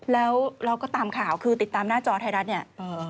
แล้วเราก็ตามข่าวคือติดตามหน้าจอไทยรัฐเนี่ย